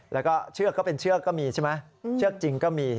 แล้วก็เชือกก็เป็นเชือกก็มีใช่ไหมเชือกจริงก็มี